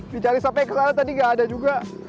dicari sampai kesana tadi gak ada juga